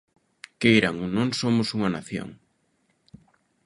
Queiran ou non, somos unha nación.